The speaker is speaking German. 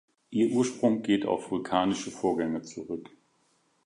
Ihr Ursprung geht auf vulkanische Vorgänge zurück.